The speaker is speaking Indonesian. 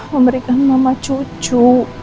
memberikan mama cucu